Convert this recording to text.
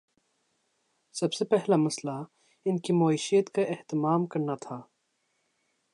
سب سے پہلا مسئلہ ان کی معیشت کا اہتمام کرنا تھا۔